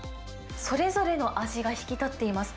それぞれの味が引き立っています。